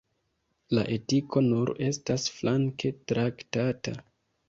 La etiko nur estas flanke traktata.